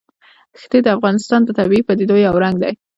ښتې د افغانستان د طبیعي پدیدو یو رنګ دی.